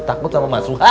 takut sama mas suha